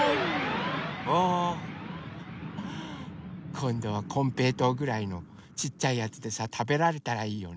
こんどはこんぺいとうぐらいのちっちゃいやつでさたべられたらいいよね。